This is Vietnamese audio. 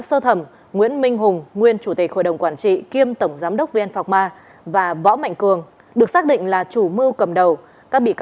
xin chào và hẹn gặp lại